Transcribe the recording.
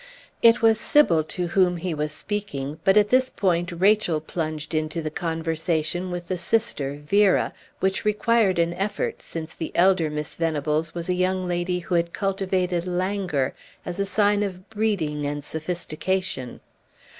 It was Sybil to whom he was speaking, but at this point Rachel plunged into the conversation with the sister, Vera, which required an effort, since the elder Miss Venables was a young lady who had cultivated languor as a sign of breeding and sophistication.